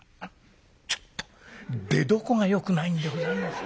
「ちょっと出どこがよくないんでございますが。